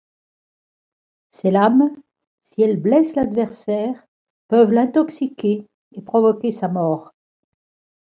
Ces lames, si elles blessent l'adversaire, peuvent l'intoxiquer et provoquer sa mort.